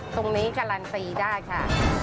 ตรงนี้การันตีได้ค่ะ